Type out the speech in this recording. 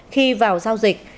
khi vào giao dịch